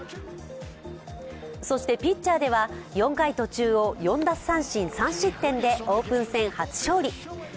そして、ピッチャーでは４回途中を４奪三振３失点でオープン戦初勝利。